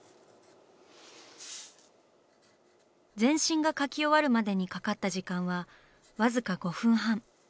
全身が描き終わるまでにかかった時間はわずか５分半。